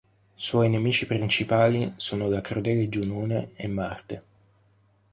Suoi nemici principali sono la crudele Giunone e Marte.